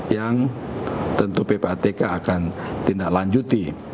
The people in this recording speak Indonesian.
yang tentu ppatk akan tindaklanjuti